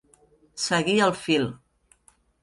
Seguir el fil.